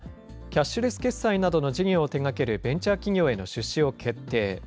このほか、伊藤忠商事は、キャッシュレス決済などの事業を手がけるベンチャー企業への出資を決定。